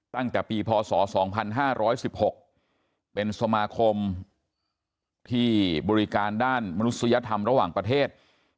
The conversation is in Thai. ตั้งแต่ปีพศ๒๕๑๖เป็นสมาคมที่บริการด้านมนุษยธรรมระหว่างประเทศ